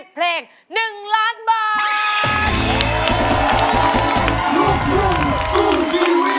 เพลง๑ล้านบาท